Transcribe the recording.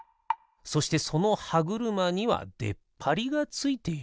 そしてそのはぐるまにはでっぱりがついている。